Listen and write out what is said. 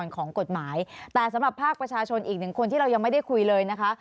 กับภาคประชาชนอีกหนึ่งคนที่เรายังไม่ได้คุยเลยนะคะ